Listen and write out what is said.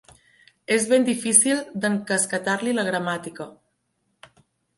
És ben difícil d'encasquetar-li la gramàtica.